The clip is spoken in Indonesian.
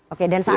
oke dan saat itu